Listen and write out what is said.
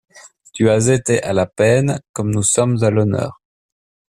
Tu as été à la peine, comme nous sommes à l'honneur.